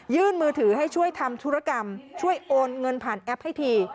มือถือให้ช่วยทำธุรกรรมช่วยโอนเงินผ่านแอปให้ที